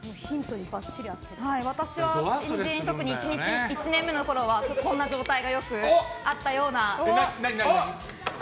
私は新人、特に１年目のころはこんな状態がよくあったような。